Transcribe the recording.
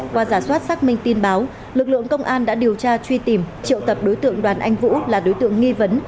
qua giả soát xác minh tin báo lực lượng công an đã điều tra truy tìm triệu tập đối tượng đoàn anh vũ là đối tượng nghi vấn